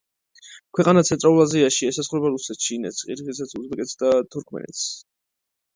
ქვეყანა ცენტრალურ აზიაში, ესაზღვრება რუსეთს, ჩინეთს, ყირგიზეთს, უზბეკეთს და თურქმენეთს.